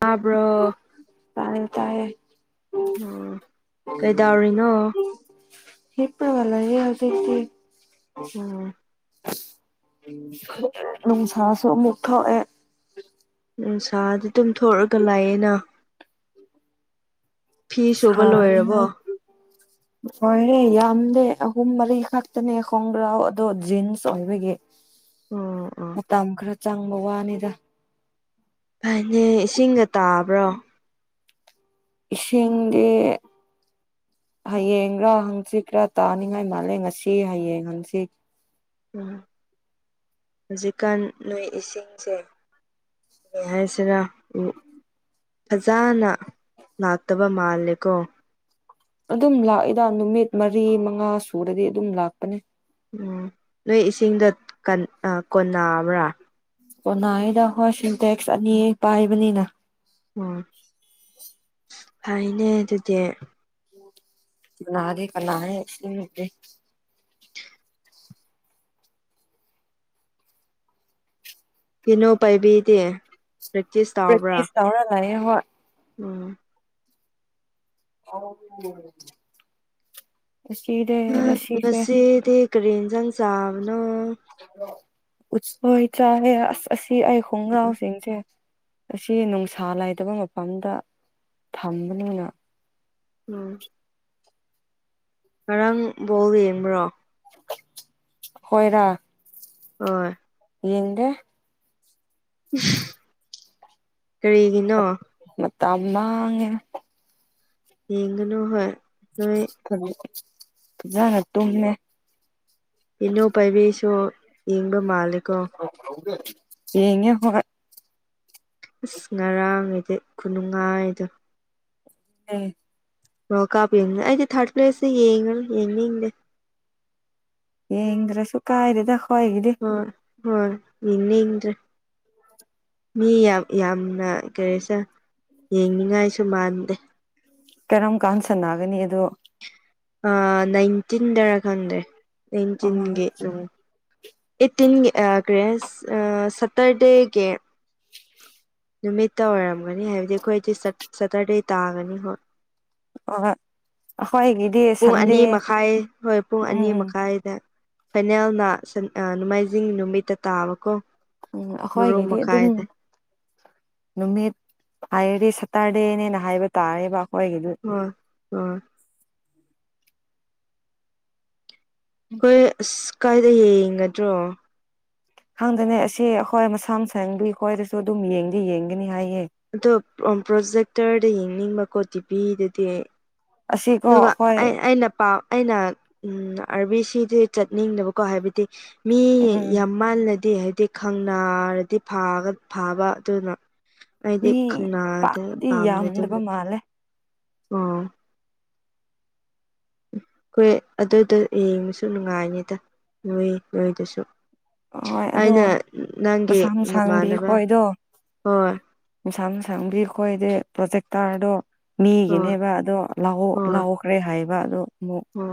ꯇꯥꯕ꯭ꯔꯣ꯫ ꯇꯌꯦ ꯇꯌꯦ꯫ ꯑꯣ ꯀꯩꯗꯧꯔꯤꯅꯣ꯫ ꯍꯤꯞꯄꯒ ꯂꯩꯌꯦ ꯍꯧꯖꯤꯛꯇꯤ꯫ ꯎꯝ ꯅꯨꯡꯁꯥꯁꯨ ꯑꯃꯨꯛ ꯊꯣꯛꯑꯦ꯫ ꯎꯝ ꯁꯥꯗꯤ ꯑꯗꯨꯝ ꯊꯣꯛꯑꯒ ꯂꯩꯑꯦꯅ꯫ ꯁꯨꯕ ꯂꯣꯏꯔꯕꯣ ꯁꯔꯤꯉꯩ꯫ [inaudible] ꯂꯣꯏꯔꯦ ꯌꯥꯝꯗꯦ ꯑꯍꯨꯝ ꯃꯔꯤ ꯈꯛꯇꯅꯦ ꯈꯣꯡꯒ꯭ꯔꯥꯎ ꯑꯗꯣ ꯖꯤꯟꯁ ꯑꯣꯏꯕꯒꯤ꯫ ꯑꯣ ꯑꯣ ꯃꯇꯝ ꯈꯔ ꯆꯪꯕ ꯋꯥꯅꯤꯗ꯫ ꯐꯩꯅꯦ ꯏꯁꯤꯡꯒ ꯇꯥꯕ꯭ꯔꯣ꯫ ꯏꯁꯤꯡꯗꯤ꯫ ꯍꯌꯦꯡꯔꯥ ꯍꯪꯆꯤꯠꯔꯥ ꯇꯥꯅꯤꯡꯉꯥꯏ ꯃꯥꯜꯂꯦ ꯉꯁꯤ ꯍꯌꯦꯡ ꯍꯪꯆꯤꯠ꯫ ꯎꯝ ꯍꯧꯖꯤꯛꯀꯥꯟ ꯅꯣꯏ ꯏꯁꯤꯡꯁꯦ꯫ ꯀꯩ ꯍꯥꯏꯁꯤꯔꯥ ꯎꯝ꯫ ꯐꯖꯅ ꯂꯥꯛꯇꯕ ꯃꯥꯜꯂꯦꯀꯣ꯫ ꯑꯗꯨꯝ ꯂꯥꯛꯏꯗ ꯅꯨꯃꯤꯠ ꯃꯔꯤ ꯃꯉꯥ ꯁꯨꯔꯗꯤ ꯑꯗꯨꯝ ꯂꯥꯛꯄꯅꯦ꯫ ꯎꯝ ꯅꯣꯏ ꯏꯁꯤꯡꯗꯠ ꯀꯟ ꯀꯣꯟꯅꯕ꯭ꯔꯥ꯫ ꯀꯣꯅꯥꯌꯦꯗ ꯍꯣꯏ ꯁꯤꯟꯇꯦꯛꯁ ꯑꯅꯤ ꯄꯥꯏꯕꯅꯤꯅ꯫ ꯑꯣ ꯐꯩꯅꯦ ꯑꯗꯨꯗꯤ꯫ ꯅꯥꯗꯦ [unintelligible] ꯀꯤꯅꯣ ꯄꯥꯏꯕꯤꯗꯦ ꯄ꯭ꯔꯦꯛꯇꯤꯁ ꯇꯥꯎꯕ꯭ꯔꯥ꯫ ꯄ꯭ꯔꯦꯛꯇꯤꯁ ꯇꯧꯔ ꯂꯩꯌꯦ ꯍꯣꯏ ꯎꯝ [unintelligible] ꯉꯥꯁꯤꯗ‌ꯦ ꯍꯥ ꯉꯁꯤꯗꯤ ꯀꯥꯔꯤ ꯏꯟꯖꯥꯡ ꯆꯥꯕꯅꯣ ꯎꯠꯁꯣꯏ ꯆꯥꯏꯌ‌ꯦ ꯑꯁ ꯑꯁꯤ ꯑꯩ ꯈꯣꯡꯒ꯭ꯔꯥꯎꯁꯤꯡꯁꯦ ꯑꯁꯤ ꯅꯨꯡꯁꯥ ꯂꯩꯥꯇꯕ ꯃꯐꯝꯗ ꯊꯝꯕꯅꯤꯅ ꯎꯝ ꯉꯔꯥꯡ ꯕꯣꯜ ꯌꯦꯡꯕ꯭ꯔꯣ ꯑꯩꯈ‌ꯣꯏꯔꯥ ꯍꯣꯏ ꯌꯦꯡꯗ‌ꯦ ꯀꯔꯤꯒꯤꯅꯣ ꯃꯇꯝ ꯃꯥꯡꯉꯦ ꯌꯦꯡꯒꯅꯨ ꯍꯣꯏ ꯅꯣꯏ ꯐꯖꯥꯅ ꯇꯨꯝꯃꯦ ꯏꯅꯨ ꯄꯥꯏꯕꯤꯁꯨ ꯌꯦꯡꯕ ꯃꯥꯜꯂꯦꯀꯣ ꯌꯦꯡꯉꯦ ꯍꯣꯏ ꯏꯁ ꯉꯔꯥꯡꯒꯤꯗꯤ ꯈꯨꯅꯨꯡꯉꯥꯏꯗ‌ꯣ ꯂꯩ ꯋꯥꯜ ꯀꯥꯞ ꯌꯦꯡꯉ‌ꯦ ꯑꯩꯗꯤ ꯊꯥꯔꯠ ꯄ꯭ꯂꯦꯁꯇ ꯌꯦꯡꯉꯅꯤ ꯌꯦꯡꯅꯤꯡꯗꯦ ꯌꯦꯡꯗ꯭ꯔꯁꯨ ꯀꯥꯏꯗ‌ꯦꯗ ꯈ‌ꯣꯏꯒꯤꯗꯤ ꯍ‌ꯣꯏ ꯍꯣꯏ ꯌ‌ꯦꯡꯅꯤꯡꯗꯔ‌ꯦ ꯃꯤ ꯌꯥꯝ ꯌꯥꯝꯅ ꯀꯔꯤꯁꯦ ꯌꯦꯡꯅꯤꯡꯉꯥꯏꯁꯨ ꯃꯥꯟꯗꯦ ꯀꯔꯝ ꯀꯥꯟ ꯁꯥꯟꯅꯒꯅꯤ ꯑꯗꯣ ꯑꯥ ꯅꯥꯏꯟꯇꯤꯟꯗꯔ ꯈꯪꯗ꯭ꯔꯦ ꯅꯥꯏꯟꯇꯤꯟꯒꯤ ꯑꯣ ꯅꯨꯡ ꯑꯩꯠꯇꯤꯟꯒꯤ ꯑꯥ ꯀ꯭ꯔꯤ ꯍꯥꯏꯁ ꯑꯥ ꯁꯇꯔꯗꯦꯒꯤ ꯅꯨꯃꯤꯠꯇ ꯑꯣꯏꯔꯝꯒꯅꯤ ꯍꯥꯏꯕꯗꯤ ꯑꯩꯈꯣꯏꯗꯤ ꯁꯇꯔ ꯁꯇꯔꯗꯦ ꯇꯥꯒꯅꯤ ꯀ‌ꯣ ꯍ‌ꯣꯏ ꯄꯨꯡ ꯑꯅꯤ ꯃꯈꯥꯏ ꯍꯣꯏ ꯄꯨꯡ ꯑꯅꯤ ꯎꯝ ꯎꯝ ꯃꯈꯥꯏꯗ ꯐꯥꯏꯅꯦꯜꯅ ꯁꯟ ꯑꯥ ꯅꯣꯡꯃꯥꯏꯖꯤꯡ ꯅꯨꯃꯤꯠꯇ ꯇꯥꯕꯀꯣ ꯎꯝ ꯕꯣꯔꯣ ꯑꯩꯈꯣꯏꯒꯤꯗꯤ ꯑꯗꯨꯝ ꯃꯈꯥꯏꯗ ꯅꯨꯃꯤꯠ ꯍꯥꯏꯔꯗꯤ ꯁꯇꯔꯗꯦꯅꯦꯅ ꯍꯥꯏꯕ ꯇꯥꯔꯦꯕ ꯑꯩꯈꯣꯏꯒꯤꯗꯤ ꯎꯝ ꯎꯝ ꯈ‌ꯣꯏ ꯑꯁ ꯀꯥꯏꯗ ꯌꯦꯡꯒꯗ꯭ꯔꯣ ꯈꯪꯗ‌ꯦꯅꯦ ꯑꯁ‌ꯦ ꯑꯩꯈꯣꯏ ꯃꯁꯥꯡ ꯁ‌ꯦꯡꯕꯒꯤ ꯑꯩꯈꯣꯏꯗꯁꯨ ꯑꯗꯨꯝ ꯌꯦꯡꯗꯤ ꯌꯦꯡꯒꯅꯤ ꯍꯥꯏꯌꯦ ꯑꯗꯣ ꯎꯝ ꯄ꯭ꯔꯣꯖꯦꯛꯇꯔꯗ ꯌꯦꯡꯅꯤꯡꯕꯀꯣ ꯇꯤꯚꯤꯗꯗꯤ ꯑꯩ ꯑꯁꯤꯀꯣ ꯑꯗꯨꯒ ꯑꯩꯈꯣꯏ ꯑꯩ ꯑꯩꯅ ꯄꯥꯝ ꯑꯩꯅ ꯎꯝ ꯑꯥꯔꯕꯤꯁꯤ ꯗꯗꯤ ꯆꯠꯅꯤꯡꯗꯕꯀꯣ ꯍꯥꯏꯕꯗꯤ ꯃꯤ ꯎꯝ ꯌꯥꯝ ꯃꯜꯂꯗꯤ ꯍꯥꯏꯗꯤ ꯈꯪꯅꯔꯗꯤ ꯐꯥꯒ ꯐꯥꯕ ꯑꯗꯨꯅ ꯑꯩꯗꯤ ꯃꯤ ꯈꯪꯅꯥꯗ ꯄꯥꯛꯇꯤ ꯌꯥꯝꯗꯕ ꯃꯥꯜꯂꯦ ꯎꯝ ꯍꯣꯏ ꯑꯗꯨꯗ ꯌꯦꯡꯕꯁꯨ ꯅꯨꯡꯉꯥꯏꯅꯤꯗ ꯅꯣꯏ ꯅꯣꯏꯗꯨꯁꯨ ꯍꯣꯏ ꯑꯗꯣ ꯑꯩꯅ ꯅꯪꯒꯤ ꯃꯁꯥ ꯅꯃꯥꯟꯅꯕ ꯍꯣꯏ ꯌꯦꯁꯥꯡ ꯃꯁꯥꯡꯗꯤ ꯑꯩꯈꯣꯏꯗꯤ ꯄ꯭ꯔꯣꯖꯦꯛꯇꯔꯗꯣ ꯍꯣꯏ ꯃꯤꯒꯤꯅꯦꯕ ꯑꯗꯣ ꯂꯑꯣ ꯂꯥꯎꯈ꯭ꯔꯦ ꯍꯥꯏꯕ ꯑꯗꯨ ꯑꯃꯨꯛ ꯍ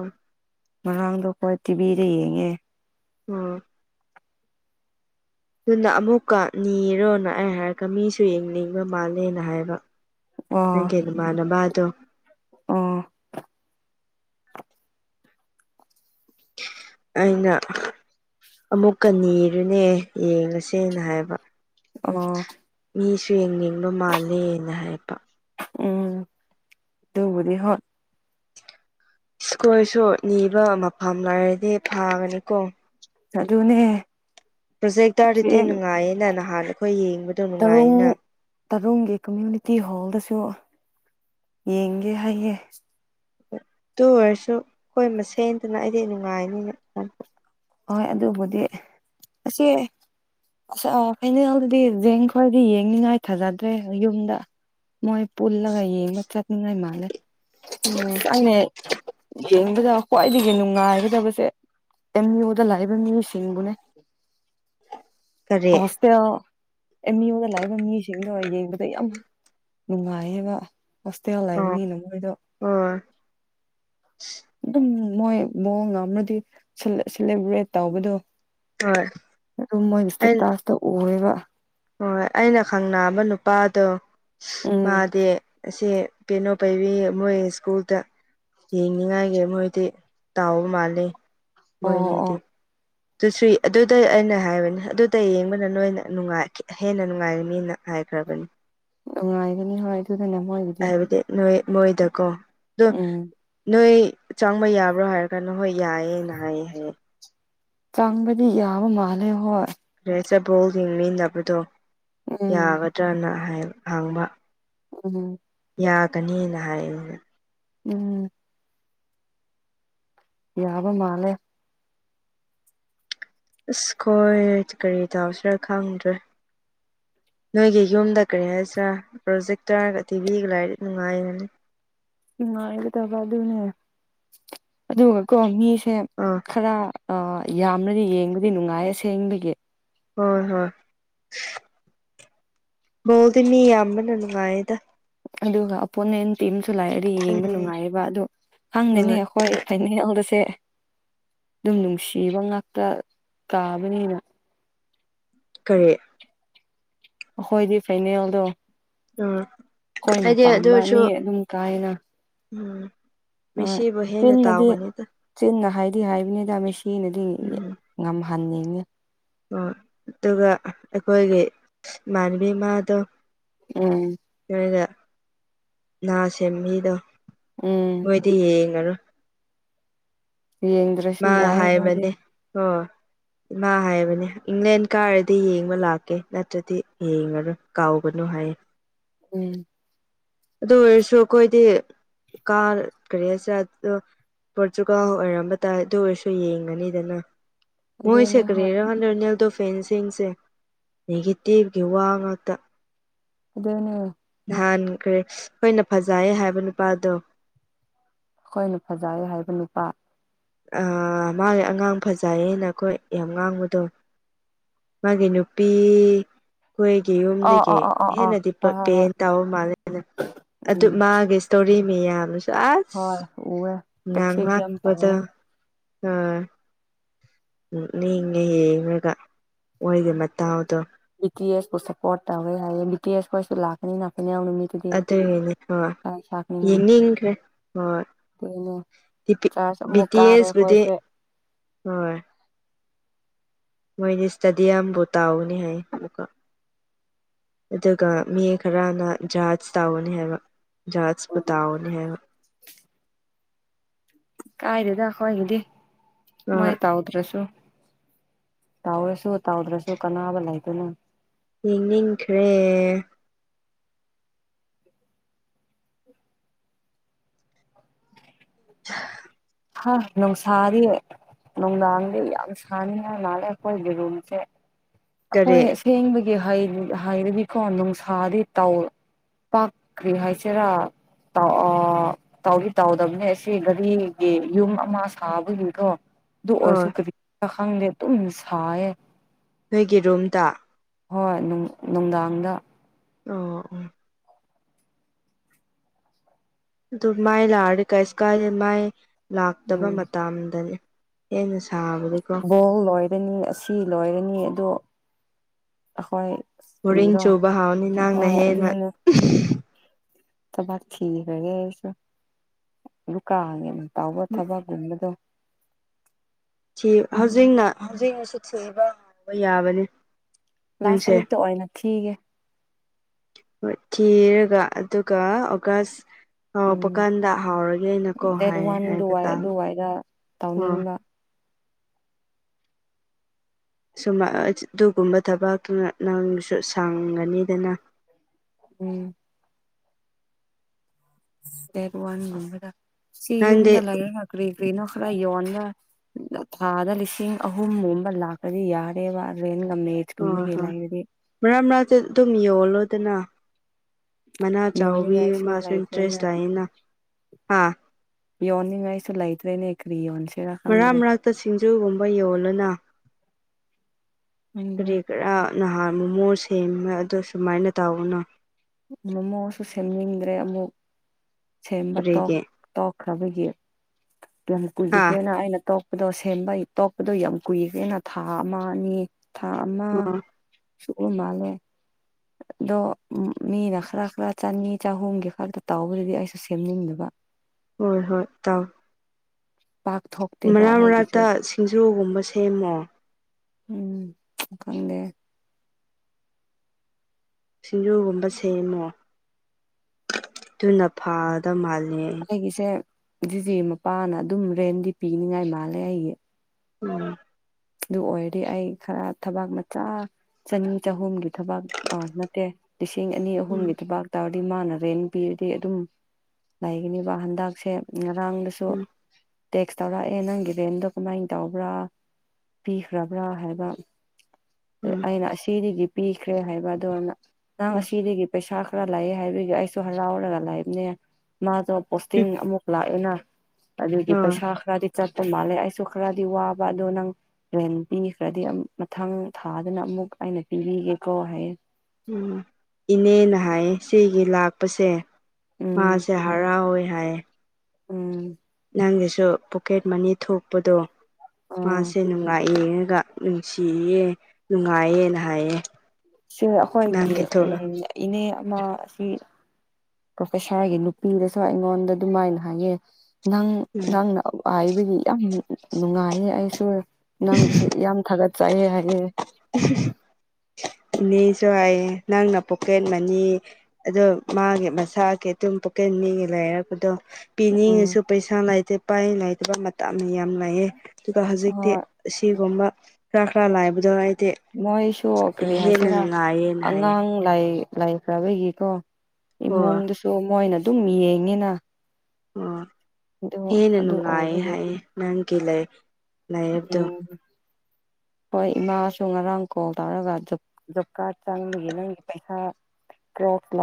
ꯉꯥꯡꯗꯣ ꯑꯩꯈꯣꯏ ꯇꯤꯚꯤꯗ ꯌꯦꯡꯉꯦ ꯎꯝ ꯑꯗꯨꯅ ꯑꯃꯨꯛꯀ ꯅꯤꯔꯣꯅ ꯑꯩ ꯍꯥꯏꯔꯒ ꯃꯤꯁꯨ ꯌꯦꯡꯅꯤꯡꯕ ꯃꯥꯜꯂꯦꯅ ꯍꯥꯏꯕ ꯅꯪꯒꯤ ꯅꯃꯥꯟꯅꯕꯗꯣ ꯑ‌ ꯑꯩꯅ ꯑꯃꯨꯛꯀ ꯅꯤꯔꯨꯅꯦ ꯌꯦꯡꯉꯁꯦꯅ ꯍꯥꯏꯕ ꯑ‌ꯣ ꯃꯤꯁꯨ ꯌꯦꯡꯅꯤꯡꯕ ꯃꯥꯜꯂꯦꯅ ꯍꯥꯏꯕ ꯎꯝ ꯑꯗꯨꯕꯨꯗꯤ ꯍꯣꯠ ꯑꯩꯈ‌ꯣꯏꯁꯨ ꯅꯤꯕ ꯃꯐꯝ ꯂꯩꯔꯗꯤ ꯐꯥꯒꯅꯤꯀꯣ ꯑꯗꯨꯅꯦ ꯄ꯭ꯔꯣꯖꯦꯛꯇꯔꯗꯤ ꯅꯨꯡꯉꯥꯏꯌꯦꯅ ꯅꯍꯥꯟ ꯑꯩꯈꯣꯏ ꯌꯦꯡꯕꯗꯣ ꯇꯔꯨꯡ ꯅꯨꯡꯉꯥꯏꯌꯦꯅ ꯇꯔꯨꯡꯒꯤ ꯀꯝꯃ꯭ꯌꯨꯅꯤꯇꯤ ꯍꯣꯜꯗꯁꯨ ꯌꯦꯡꯒꯦ ꯍꯥꯏꯌꯦꯦ ꯇꯨ ꯑꯣꯏꯔꯁꯨ ꯑꯩꯣꯏ ꯃꯁꯦꯟꯗꯅ ꯑꯩꯗꯤ ꯅꯨꯡꯉꯥꯏꯅꯤꯅ ꯍꯣꯏ ꯑꯗꯨꯕꯨꯗꯤ ꯑꯁꯤ ꯑꯁ ꯑ ꯐꯩꯅꯦꯜꯗꯨꯗꯤ ꯌꯦꯖꯦꯡ ꯈꯔꯗꯤ ꯌꯦꯡꯅꯤꯉꯥꯏ ꯊꯥꯖꯗ꯭ꯔꯦ ꯌꯨꯝꯗ ꯃꯣꯏ ꯄꯜ ꯂꯥꯏꯌꯦꯕ ꯆꯠꯅꯤꯡ ꯂꯥꯏ ꯃꯥꯦ ꯎꯝ ꯑꯥꯏꯅꯦ ꯌꯦꯡꯕꯗ ꯈ꯭ꯋꯥꯏꯗꯒꯤ ꯅꯨꯡꯉꯥꯏꯒꯗꯕꯁꯦ ꯑ ꯌ ꯗ ꯂꯥꯛꯕ ꯃꯤ ꯁꯤꯁꯤꯡꯕꯨꯅꯦ ꯀꯔꯤ ꯃꯤ ꯑꯣꯗ ꯂꯥꯛꯏꯕ ꯃꯤꯁꯤꯡꯗꯣ ꯌꯦꯡꯕꯗ ꯌꯥꯝ ꯅꯨꯡꯉꯥꯏꯌꯦꯕ ꯍꯣꯁꯇꯦꯜ ꯑꯣ ꯍꯥꯏꯕꯅꯤꯅ ꯃꯣꯏꯗꯣ ꯍꯣꯏ ꯑꯗꯨꯝ ꯃꯣꯏ ꯃꯑꯣꯡꯅꯗꯤ ꯁꯦꯂꯦꯕ꯭ꯔꯦꯠ ꯇꯧꯕꯗꯣ ꯍꯣꯏ ꯑꯗꯨꯝ ꯃꯣꯏꯒꯤꯁꯇꯦ ꯇꯥꯁꯇ ꯑꯣꯏꯕ ꯍꯣꯏꯣꯏ ꯑꯩꯅ ꯈꯪꯅꯕ ꯅꯨꯄꯥꯗꯣ ꯎꯝ ꯃꯥꯗꯤ ꯑꯁꯤ ꯄꯩꯅꯣ ꯄꯥꯏꯕꯤ ꯃ ꯏꯁꯀꯨꯜ ꯇ ꯌꯦꯡꯅꯤꯡꯉꯥꯏꯒꯤ ꯃꯣꯏꯗꯤ ꯇꯥꯎꯕ ꯃꯥꯂꯦ ꯑꯣ ꯑꯣ ꯃꯣꯏꯅꯤꯗꯤ ꯇ ꯊ꯭ꯔꯤ ꯑꯗꯨꯗ ꯑꯩꯅ ꯍꯥꯏꯕꯅꯦ ꯑꯗꯨꯗ ꯌꯦꯡꯕꯅ ꯅꯣꯏꯅ ꯅꯨꯡꯉꯥꯏꯈꯤ ꯍꯦꯟꯅ ꯅꯨꯡꯉꯥꯏꯔꯅꯤꯅ ꯍꯥꯏꯈ꯭ꯔꯕꯅꯤ ꯎꯥꯏꯈꯅꯤ ꯍ ꯍꯥꯏꯕꯗꯤ ꯅꯣꯏ ꯃꯣꯏꯗꯀꯣ ꯑꯗꯣ ꯎꯝ ꯅꯣꯏ ꯆꯪꯕ ꯌꯥꯕ꯭ꯔꯣ ꯍꯥꯏꯔ ꯀꯥꯟꯗ ꯍꯣꯏ ꯌꯥꯏꯌꯦ ꯅꯥꯏꯌꯦ ꯍꯥꯏꯌꯦ ꯆꯥꯡꯕꯗꯤ ꯌꯥꯕ ꯃꯥꯜꯂꯦ ꯍꯣꯏ ꯔꯦ ꯆꯕꯣꯜ ꯌꯦꯡꯃꯤꯟꯅꯕꯗꯣ ꯎꯝ ꯌꯥꯒꯗ꯭ꯔꯅ ꯍꯥꯡꯕ ꯎꯝ ꯌꯥꯒꯅꯤꯅ ꯍꯥꯏꯌꯦ ꯎꯝ ꯌꯥꯕ ꯃꯥꯂꯦ ꯑꯁ ꯈꯣꯏ ꯀꯔꯤ ꯇꯧꯁꯤꯔꯥ ꯈꯪꯗ꯭ꯔꯦ ꯅꯣꯏꯒꯤ ꯌꯨꯝꯗ ꯀꯔꯤ ꯍꯥꯏꯁꯤꯔꯥ ꯄ꯭ꯔꯣꯖꯦꯛꯇꯔꯒ ꯇꯤꯚꯤꯒ ꯂꯥꯏꯔꯤꯛ ꯅꯨꯡꯉꯥꯏꯔꯅꯤ ꯅꯨꯡꯉꯥꯏꯒꯗꯕ ꯑꯗꯨꯅꯦ ꯑꯗꯨꯒꯀꯣ ꯃꯤꯁꯦ ꯑꯥ ꯈꯔ ꯑ ꯌꯥꯝꯅꯗꯤ ꯌꯦꯡꯕꯗꯤ ꯅꯨꯡꯉꯥꯏꯌꯦ ꯁꯦꯡꯕꯒꯤ ꯍꯣꯏ ꯍꯣꯏ ꯃꯣꯗꯤꯅꯤ ꯑꯃꯅꯅꯅꯨꯡꯉꯌꯦꯗ ꯑꯗꯨꯒ ꯑꯣꯄꯣꯅꯦꯟ ꯇꯤꯝꯁꯨ ꯂꯥꯛꯑꯗꯤ ꯌꯦꯡꯕ ꯎꯝ ꯅꯨꯡꯉꯥꯏꯌꯦꯕ ꯑꯗꯨꯗꯣ ꯈꯪꯗꯅꯦ ꯍꯣꯏ ꯑꯩꯈꯣꯏ ꯐꯥꯏꯅꯦꯜꯌꯥꯎꯗꯁꯦ ꯑꯗꯨꯝ ꯅꯨꯡꯁꯤꯕ ꯉꯥꯛꯇ ꯀꯥꯕꯅꯤꯅ ꯀꯔꯤ ꯑꯩꯈꯣꯏꯗꯤ ꯐꯥꯏꯅꯦꯜꯗꯣ [unintelligible] ꯑꯩꯈꯣꯏꯅ ꯍꯥꯏꯗꯤ ꯑꯗꯨ ꯄꯥꯝꯕ ꯑꯣꯏꯔꯁꯨ ꯑꯅꯤ ꯑꯗꯨꯝ ꯀꯥꯏꯅ ꯎꯝ ꯍꯣꯏ ꯃꯤꯁꯤꯕꯨ ꯍꯦꯟꯅ ꯆꯤꯟꯅꯗꯤ ꯇꯥꯎꯕꯅꯤꯗ ꯆꯤꯟꯅ ꯍꯥꯏꯗꯤ ꯍꯥꯏꯕꯅꯤꯗ ꯃꯤ ꯁꯤꯅꯗꯤ ꯉꯝꯍꯟꯅꯤꯡꯉꯤ ꯍꯣꯢ ꯑꯗꯨꯒ ꯑꯩꯈꯣꯏꯒꯤ ꯏꯃꯥꯟꯅꯕꯤꯃꯥꯗꯣ ꯎꯝ ꯅꯣꯏꯗ ꯉꯥ ꯁꯦꯝꯕꯤꯗꯣ ꯎꯝ ꯅꯣꯏꯗꯤ ꯌꯦꯡꯉꯔꯣꯏ ꯌꯦ ꯃꯥ ꯍꯥꯏꯕꯅꯦ ꯍꯣ ꯏꯃꯥ ꯍꯥꯏꯕꯅꯦ ꯏꯪꯂꯦꯟ ꯀꯥꯔꯗꯤ ꯌꯦꯡꯕ ꯂꯥꯛꯀꯦ ꯅꯠꯇ꯭ꯔꯗꯤ ꯌꯦꯡꯉꯅꯨ ꯀꯥꯎꯒꯅꯨ ꯍꯥꯏꯌꯦ ꯎꯝ ꯑꯗꯨ ꯑꯣꯏꯔꯁꯨ ꯑꯩꯈꯣꯏꯗꯤ ꯀꯥ ꯀꯔꯤꯁꯦ ꯄꯣꯔꯇꯨꯒꯥꯜ ꯑꯣꯏꯔꯝꯕ ꯇꯥꯏ ꯑꯗꯨ ꯑꯣꯏꯔꯁꯨ ꯌꯦꯡꯒꯅꯤꯗꯅ ꯃꯣꯏꯁꯦ ꯑꯗꯨꯅꯦ ꯍꯣꯏ ꯀꯔꯤꯔ ꯔꯣꯅꯥꯜꯗꯣ ꯐꯦꯟꯁꯤꯡꯁꯦ ꯅꯦꯒꯦꯇꯤꯞꯀꯤ ꯋꯥ ꯉꯥꯛꯇ ꯑꯗꯨꯅꯤ ꯅꯍꯥꯟ ꯀꯔꯤ ꯑꯩꯈꯣꯏꯅ ꯐꯖꯩꯌꯦ ꯍꯥꯏꯕ ꯅꯨꯄꯥꯗꯣ ꯑꯩꯈꯣꯏꯅ ꯐꯖꯩꯌꯦ ꯍꯥꯏꯕ ꯅꯨꯄꯥ ꯑꯥ ꯃꯥꯒꯤ ꯑꯉꯥꯡ ꯐꯖꯩꯌꯦꯅ ꯑꯩꯈꯣꯏ ꯌꯥꯝ ꯉꯥꯡꯕꯗꯣ ꯅꯪꯒꯤ ꯅꯨꯄꯤ ꯑꯩꯈꯣꯏꯒꯤ ꯑꯣ ꯌꯨꯝꯗꯒꯤ ꯑꯣ ꯑꯣ ꯑꯣ ꯑꯣ ꯍꯦꯟꯅꯗꯤ ꯍꯣꯏ ꯍꯣꯏ ꯍꯣꯏ ꯗꯤꯄꯦꯟ ꯇꯧꯕ ꯃꯥꯜꯂꯦꯅ ꯑꯗꯨ ꯎꯝ ꯃꯥꯒꯤ ꯇꯧꯔꯤ ꯃꯤꯌꯥꯝꯅꯁꯨ ꯑꯁ ꯍꯣꯏ ꯎꯋꯦ ꯇꯣꯛꯁꯤꯛ ꯌꯥꯝ ꯉꯥꯡꯂꯛꯄꯗꯣ ꯇꯧꯋꯦ ꯑꯥ ꯨ ꯅꯣꯛꯅꯤꯡꯉꯦꯍꯦ ꯌꯦꯡꯂꯒ ꯃꯣꯏꯒꯤ ꯃꯇꯥꯎꯗꯣ ꯕꯤ ꯇꯤ ꯑꯦꯁ ꯄꯨ ꯁꯄꯣꯔꯇ ꯇꯧꯔꯦ ꯍꯥꯏꯌꯦ ꯕꯤ ꯇꯤ ꯑꯦꯁ ꯈꯣꯢꯁꯨ ꯂꯥꯛꯀꯅꯤ ꯂꯥꯛꯀꯅꯤ [unintelligible] ꯑꯗꯨꯢ [unintelligible] ꯌꯦꯅꯤꯡꯈ꯭ꯔꯦ ꯃꯣꯢ ꯀꯩꯅꯣ꯫ ꯕꯤ ꯇꯤ ꯑꯦꯁ ꯄꯨꯗꯤ ꯍꯣꯏ ꯃꯣꯏꯗꯤ ꯏꯁꯇꯗꯤꯌꯝꯕꯨ ꯇꯧꯒꯅꯤ ꯍꯥꯏꯌꯦ ꯑꯃꯨꯛꯀ ꯑꯗꯨꯒ ꯃꯤ ꯈꯔꯅ ꯖꯍꯥꯖ ꯇꯥꯎꯒꯅꯤ ꯍꯥꯏꯕ ꯖꯍꯥꯖꯄꯨ ꯇꯥꯎꯒꯅꯤ ꯍꯥꯏꯕ ꯀꯥꯏꯗꯦꯗ ꯑꯈꯣꯏꯒꯤꯗꯤ ꯃꯣꯏ ꯍꯣꯏ ꯇꯧꯗ꯭ꯔꯁꯨ ꯇꯧꯔꯁꯨ ꯇꯧꯗ꯭ꯔꯁꯨ ꯀꯅꯥꯕ ꯂꯩꯇꯦꯅꯦ ꯌꯦꯡꯅꯤꯡꯈ꯭ꯔꯦ꯫ [unintelligible] ꯍꯥ ꯅꯨꯡꯁꯥꯗꯤ ꯅꯨꯡꯗꯥꯡꯗꯤ ꯌꯥꯝ ꯁꯥꯅꯤ ꯍꯥꯏ ꯃꯥꯥꯜꯂꯦ ꯑꯩꯈꯣꯏꯒꯤ ꯔꯨꯝꯁꯦ ꯀꯔꯤ ꯑꯈꯣꯏ ꯑꯁꯦꯡꯕꯒꯤ ꯍꯥꯏꯔꯗꯤꯀꯣ ꯅꯨꯡꯁꯥꯗꯤ ꯇꯧ ꯄꯥꯛ ꯀ꯭ꯔꯤ ꯍꯥꯏꯁꯤꯔꯥ ꯇꯧ ꯑꯥ ꯇꯧꯗꯤ ꯇꯧꯗꯕꯅꯦ ꯑꯁꯤ ꯒꯥꯔꯤꯒꯤ ꯌꯨꯝ ꯑꯃ ꯁꯥꯕꯒꯤꯀꯣ ꯑꯗꯨ ꯑꯣ ꯑꯣꯏꯔꯁꯨ ꯀꯔꯤꯒꯤꯔ ꯈꯪꯗꯦ ꯑꯗꯨꯝ ꯁꯥꯏꯌꯦ ꯅꯣꯏꯒꯤ ꯔꯨꯝꯗ ꯍꯣꯏ ꯅꯨꯡ ꯅꯨꯡꯗꯥꯡꯗ ꯑꯣ ꯎꯝ ꯑꯗꯨ ꯃꯥꯏ ꯂꯥꯛꯑꯗꯤ ꯀꯥꯏꯁꯨ ꯀꯥꯏꯗꯦ ꯃꯥꯏ ꯂꯥꯛꯇꯕ ꯎꯝ ꯃꯇꯝꯗꯅꯦ ꯍꯦꯟꯅ ꯁꯥꯕꯗꯤꯀꯣ ꯕꯣꯜ ꯂꯣꯏꯔꯅꯤ ꯑꯁꯤ ꯂꯣꯏꯔꯅꯤ ꯑꯗꯨ ꯑꯈꯣꯏ ꯕꯣꯔꯤꯡ ꯆꯨꯕ ꯍꯧꯔꯅꯤ ꯅꯪꯅ ꯍꯦꯟꯅ ꯊꯕꯥꯛ ꯊꯤꯈ꯭ꯔꯒꯦ ꯑꯩꯁꯨ ꯂꯨꯀꯥꯉꯦꯝ ꯇꯧꯕ ꯊꯕꯥꯛꯀꯨꯝꯕꯗꯣ ꯊꯤ ꯍꯧꯖꯤꯛꯅ ꯍꯧꯖꯤꯛꯅꯁꯨ ꯊꯤꯕ ꯉꯝꯕ ꯌꯥꯕꯅꯤ ꯂꯥꯁ ꯅꯪꯁꯦ ꯋꯤꯛꯇ ꯑꯣꯏꯅ ꯊꯤꯒꯦ ꯍꯣꯏ ꯊꯤꯔꯒ ꯑꯗꯨꯒ ꯑꯣꯒꯁ ꯎꯝ ꯍꯧꯔꯛꯄꯀꯥꯟꯗ ꯍꯥꯎꯔꯒꯦꯅꯀꯣ ꯗꯦꯠ ꯍꯥꯏ ꯋꯥꯟ ꯍꯥꯏꯕ ꯑꯗꯨꯋꯥꯏ ꯇꯥꯡ ꯑꯗꯨꯋꯥꯏꯗ ꯍꯣꯏ ꯇꯧꯅꯤꯡꯕ ꯁꯨꯝꯃ ꯑꯁ ꯑꯗꯨꯒꯨꯝꯕ ꯊꯕꯛꯇꯨꯅ ꯅꯪꯁꯨ ꯁꯥꯡꯒꯅꯤꯗꯅ ꯎꯝ ꯗꯦꯠ ꯋꯥꯟꯒꯨꯝꯕꯗ ꯁꯤ ꯅꯪꯗꯤ ꯌꯨꯝꯗ ꯂꯩꯔꯒ ꯀꯔꯤ ꯀꯔꯤꯅꯣ ꯈꯔ ꯌꯣꯟꯕ ꯊꯥꯗ ꯂꯤꯁꯤꯡ ꯑꯍꯨꯝꯒꯨꯝꯕ ꯂꯥꯛꯑꯗꯤ ꯌꯥꯔꯦꯕ ꯔꯦꯟ ꯉꯝꯃꯦ ꯍꯣꯏ ꯍꯣꯏ ꯃꯔꯛ ꯃꯔꯛꯇ ꯑꯗꯨꯝ ꯌꯣꯜꯂꯣꯗꯅ ꯃꯅꯥ ꯆꯥꯎꯕꯤ ꯌꯣꯟꯅꯤꯡꯉꯥꯏꯁꯨ ꯃꯥꯁꯨ ꯂꯩꯇ꯭ꯔꯦꯅ ꯏꯟꯇꯔꯦꯁ ꯂꯩꯌꯦꯅ ꯍꯥꯥ ꯌꯣꯟꯅꯤꯉꯥꯢꯁꯨ ꯂꯩꯇ꯭ꯔꯦꯅꯦ ꯀ꯭ꯔꯤ ꯌꯣꯟꯁꯤꯔ ꯃꯔꯛ ꯈꯪꯗ꯭ꯔꯦ ꯃꯔꯛꯇ ꯁꯤꯡꯖꯨꯒꯨꯝꯕ ꯌꯣꯜꯂꯣꯅ ꯈꯪꯗ꯭ꯔꯦ ꯀꯔꯤ ꯀꯔꯥ ꯅꯍꯥꯟ ꯃꯣꯃꯣ ꯁꯦꯝꯃꯦ ꯑꯗꯣ ꯁꯨꯃꯥꯏꯅ ꯇꯧꯒꯅꯣ ꯃꯣꯃꯣꯁꯨ ꯁꯦꯝꯅꯤꯡꯗ꯭ꯔꯦ ꯑꯃꯨꯛ ꯁꯦꯝꯕ ꯇꯣꯛ ꯀꯔꯤꯒꯤ ꯇꯧꯈ꯭ꯔꯕꯒꯤ ꯀꯌꯥꯝ ꯍꯥ ꯀꯨꯏꯈ꯭ꯔꯦꯅ ꯑꯩꯅ ꯇꯣꯛ ꯑꯗꯣ ꯁꯦꯝꯕ ꯇꯣꯛꯄꯗꯣ ꯌꯥꯝ ꯀꯨꯏꯈ꯭ꯔꯦꯅ ꯊꯥ ꯑꯃ ꯑꯅꯤ ꯊꯥ ꯑꯃ ꯑꯣ ꯁꯨ [unintelligible] ꯃꯥꯜꯂꯦ ꯑꯗꯣ ꯃꯤꯅ ꯈꯔ ꯈꯔ ꯆꯅꯤ ꯆꯍꯨꯝꯒꯤ ꯈꯛꯇ ꯇꯧꯕꯗꯨꯗꯤ ꯑꯩꯁꯨ ꯁꯦꯝꯅꯤꯡꯗꯕ ꯍꯣꯏ ꯍꯣꯏ ꯇꯥꯎ ꯄꯥꯛ ꯊꯣꯛꯇꯦꯕ ꯃꯔꯛ ꯑꯈꯣꯏꯒꯤꯁꯨ ꯃꯔꯛꯇ ꯁꯤꯡꯖꯨꯒꯨꯝꯕ ꯁꯦꯝꯃꯣ ꯎꯝ ꯈꯪꯗꯦ ꯁꯤꯡꯖꯨꯒꯨꯝꯕ ꯁꯦꯝꯃꯣ ꯑꯗꯨꯨꯅ ꯐꯥꯗ ꯃꯥꯜꯂꯤ ꯑꯩꯒꯤꯁꯦ ꯖꯤꯖꯤ ꯃꯄꯥꯅ ꯑꯗꯨꯝ ꯔꯦꯟꯗꯤ ꯄꯤꯅꯤꯉꯥꯏ ꯃꯥꯜꯂꯦ ꯑꯩꯒꯤ ꯎꯝ ꯑꯗꯨ ꯑꯣꯏꯔꯗꯤ ꯑꯩ ꯈꯔ ꯊꯕꯛ ꯃꯆꯥ ꯆꯅꯤ ꯆꯍꯨꯝꯒꯤ ꯊꯕꯛ ꯑꯥ ꯅꯠ ꯇꯦ ꯂꯤꯁꯤꯡ ꯑꯅꯤ ꯎꯝ ꯑꯍꯨꯝꯒꯤ ꯊꯕꯛ ꯇꯧꯔꯗꯤ ꯃꯥꯅ ꯔꯦꯟ ꯄꯤꯔꯗꯤ ꯑꯗꯨꯝ ꯂꯩꯒꯅꯤꯕ ꯍꯟꯗꯛꯁꯦ ꯉꯔꯥꯡꯗꯁꯨ ꯁꯨ ꯎꯝ ꯇꯦꯛꯁ ꯇꯧꯔꯛꯑꯦ ꯅꯪꯒꯤ ꯔꯦꯟꯗꯣ ꯀꯃꯥꯏꯅ ꯇꯧꯕ꯭ꯔꯥ ꯄꯤꯈ꯭ꯔꯕ꯭ꯔꯥ ꯍꯥꯏꯕ ꯑꯩꯅ ꯑꯁꯤꯗꯒꯤ ꯄꯤꯈ꯭ꯔꯦ ꯍꯥꯏꯕ ꯑꯗꯨꯅ ꯅꯪ ꯎꯝ ꯑꯁꯤꯗꯒꯤ ꯄꯩꯁꯥ ꯈꯔ ꯂꯥꯛꯑꯦ ꯍꯥꯏꯕꯒꯤ ꯑꯩꯁꯨ ꯍꯔꯥꯎꯔꯒ ꯂꯥꯛꯏꯕꯅꯦ ꯃꯥꯖꯨ ꯄꯣꯁꯇꯤꯡ ꯎꯝ ꯑꯃꯨꯛ ꯂꯥꯛꯑꯦꯅ ꯑꯗꯨꯒꯤ ꯍꯣꯏ ꯄꯩꯁꯥ ꯈꯔꯗꯤ ꯆꯠꯄ ꯃꯥꯜꯂꯦ ꯑꯩꯁꯨ ꯈꯔꯗꯤ ꯋꯥꯕ ꯑꯗꯣ ꯅꯪ ꯔꯦꯟ ꯄꯤꯈ꯭ꯔꯗꯤ ꯑꯃꯨꯛ ꯃꯊꯪ ꯊꯥꯗꯅ ꯑꯃꯨꯛ ꯑꯩꯅ ꯄꯤꯕꯤꯒꯦꯀꯣ ꯍꯥꯏꯌꯦ ꯎꯝ ꯏꯅꯦꯅ ꯍꯥꯏꯌꯦ ꯁꯤꯒꯤ ꯂꯥꯛꯄꯁꯦ ꯎꯝ ꯃꯥꯁꯦ ꯍꯔꯥꯎꯋꯦ ꯍꯥꯏꯌꯦ ꯎꯝ ꯅꯪꯒꯤꯁꯨ ꯄꯣꯛꯀꯦꯠ ꯃꯅꯤ ꯊꯣꯛꯄꯗꯣ ꯑꯥ ꯃꯥꯁꯦ ꯅꯨꯡꯉꯥꯏ ꯌꯦꯡꯉꯒ ꯅꯨꯡꯁꯤꯌꯦ ꯅꯨꯡꯉꯥꯏꯌꯦꯅ ꯍꯥꯏꯌꯦ ꯁꯤ ꯑꯈꯣꯏꯒꯤ ꯅꯪꯒꯤ ꯊꯣꯛꯂ ꯎꯝ ꯏꯅꯦ ꯑꯃ ꯑꯁꯤ ꯄ꯭ꯔꯣꯐꯦꯁꯥꯔꯒꯤ ꯅꯨꯄꯤꯗꯁꯨ ꯑꯩꯉꯣꯟꯗ ꯗꯨꯃꯥꯏꯅ ꯍꯥꯏꯌꯦ ꯅꯪ ꯎꯝ ꯅꯪꯅ ꯍꯥꯏꯕꯒꯤ ꯌꯥꯝ ꯅꯨꯡꯉꯥꯏꯔꯦ ꯑꯩꯁꯨ ꯅꯪꯕꯨꯁꯨ ꯌꯥꯝ ꯊꯥꯒꯠꯆꯩꯌꯦ ꯍꯥꯏꯌꯦ [inaudible] ꯏꯅꯦꯁꯨ ꯍꯥꯏꯌꯦ ꯅꯪꯅ ꯄꯣꯀꯦꯠ ꯃꯅꯤ ꯑꯗꯣ ꯃꯥꯒꯤ ꯃꯁꯥꯒꯤ ꯑꯗꯨꯨꯝ ꯄꯣꯀꯦꯠ ꯃꯤꯒ ꯂꯩꯔꯛꯄꯗꯣ ꯎꯝ ꯄꯤꯅꯤꯡꯉꯁꯨ ꯄꯩꯁꯥ ꯂꯩꯇꯦ ꯄꯥꯏ ꯂꯩꯇꯕ ꯃꯇꯝ ꯌꯥꯝ ꯂꯩꯑꯦ ꯑꯗꯨꯒ ꯍꯧꯖꯤꯛꯇꯤ ꯍꯣꯏ ꯑꯁꯤꯒꯨꯝꯕ ꯈꯔ ꯈꯔ ꯂꯥꯏꯕꯗꯣ ꯑꯩꯗꯤ ꯃꯣꯏꯁꯨ ꯀꯔꯤ ꯍꯦꯟꯅ ꯍꯥꯏꯁꯤꯔꯥ ꯅꯨꯡꯉꯥꯏꯌꯦꯅ ꯍꯥꯏꯌꯦ ꯑꯉꯥꯡ ꯂ ꯂꯥꯏ ꯐ꯭ꯔꯕꯒꯤꯀꯣ ꯍꯣꯏ ꯏꯃꯨꯡꯗꯁꯨ ꯃꯣꯏꯅ ꯑꯗꯨꯝ ꯌꯦꯡꯉꯤꯅ ꯑꯣ ꯑꯗꯨ ꯍꯦꯟꯅ ꯑꯗꯨ ꯅꯨꯡꯉꯥꯏꯌꯦ ꯑꯣꯏꯕꯒꯤ ꯍꯥꯏꯌꯦ ꯅꯪꯒꯤ ꯂꯩ ꯂꯩꯔꯛꯇꯣ ꯎ [inaudible] ꯍꯣꯏ ꯏꯃꯥꯁꯨ ꯉꯔꯥꯡ ꯀꯣꯜ ꯇꯧꯔꯒ ꯖꯣꯕ ꯖꯣꯕ ꯀꯥꯔꯗ ꯆꯪꯕꯒ ꯅꯪꯒꯤ ꯄꯩꯁꯥ ꯀ꯭ꯔꯦꯞ ꯀ꯭ꯂꯣ